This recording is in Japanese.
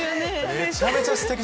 めちゃめちゃすてき。